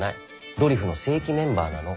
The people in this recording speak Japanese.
ドリフの正規メンバーなの。